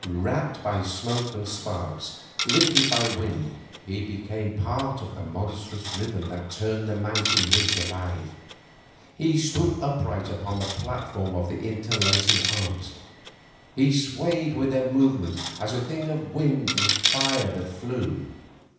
Wrapped by smoke and sparks, lifted by wind, he became part of the monstrous rhythm that turned that mountain ridge alive. He stood upright upon the platform of interlacing arms; he swayed with their movements as a thing of wind and fire that flew.